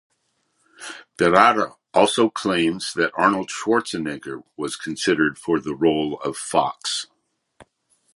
Ferrara also claims that Arnold Schwarzenegger was considered for the role of Fox.